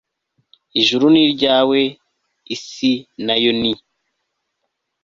ijuru ni iryawe l isi na yo ni